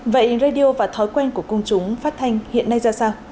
vậy radio và thói quen của công chúng phát thanh hiện nay ra sao